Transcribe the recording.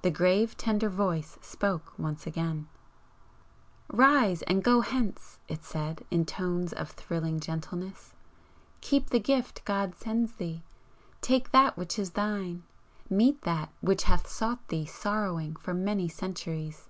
The grave, tender Voice spoke once again: "Rise and go hence!" it said, in tones of thrilling gentleness "Keep the gift God sends thee! take that which is thine! Meet that which hath sought thee sorrowing for many centuries!